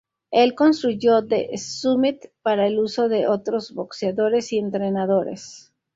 Él construyó The Summit para el uso de otros boxeadores y entrenadores.